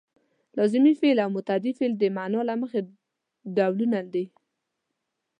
لازمي فعل او متعدي فعل د معنا له مخې ډولونه دي.